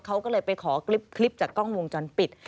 เขาก็เลยไปขอคลิปจากกล้องวงจรปิด